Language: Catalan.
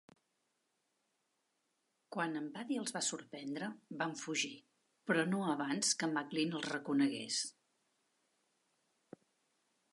Quan en Buddy els va sorprendre, van fugir, però no abans que McLean els reconegués.